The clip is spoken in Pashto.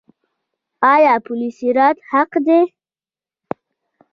آیا پل صراط حق دی؟